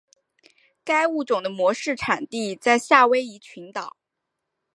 该物种的模式产地在夏威夷群岛。